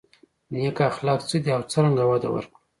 نېک اخلاق څه دي او څرنګه وده ورکړو.